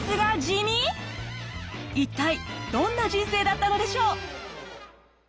一体どんな人生だったのでしょう？